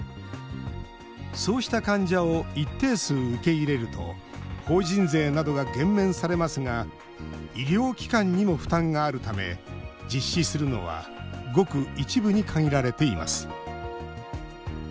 そうした患者を一定数受け入れると法人税などが減免されますが医療機関にも負担があるため実施するのはごく一部に限られています。